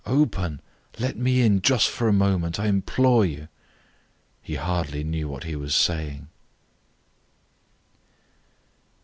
"Open! Let me in just for a moment! I implore you!" He hardly knew what he was saying.